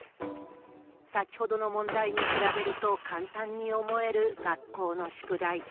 先ほどの問題に比べると簡単に思える学校の宿題。